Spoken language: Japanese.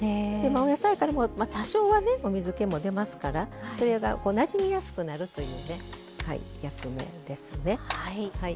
お野菜から多少は水けも出ますからそれが、なじみやすくなるという役目ですね。